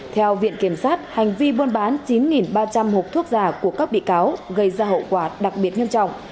theo viện kiểm sát hành vi buôn bán chín ba trăm linh hộp thuốc giả của các bị cáo gây ra hậu quả đặc biệt nghiêm trọng